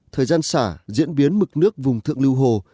thời gian xả diễn biến mực nước vùng thượng lưu hồ